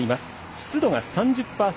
湿度３０％。